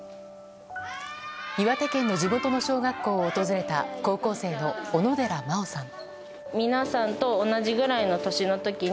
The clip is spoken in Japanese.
岩手県の地元の小学校を訪れた高校生の小野寺麻緒さん。